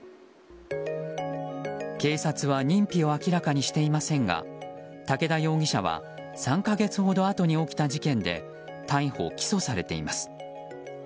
警察は認否を明らかにしていませんが竹田容疑者は３か月ほどあとに起きた事件で逮捕・起訴されています。